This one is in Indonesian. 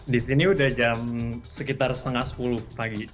di sini udah jam sekitar setengah sepuluh pagi